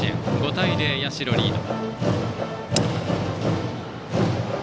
５対０、社がリード。